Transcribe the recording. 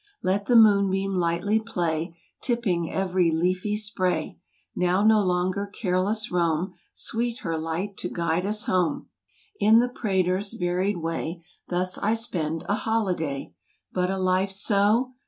Let the moon beam lightly play, Tipping every leafy spray. Now no longer careless roam; Sweet her light to guide us home. In the Prater's varied way, Thus I spend a holiday. But a life so